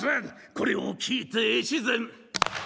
これを聞いて越前。